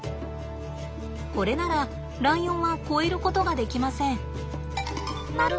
これならライオンは越えることができません。